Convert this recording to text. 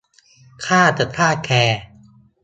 ข้าจะฆ่าแก !